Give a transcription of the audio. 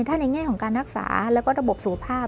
ถ้าในแง่ของการรักษาแล้วก็ระบบสุขภาพ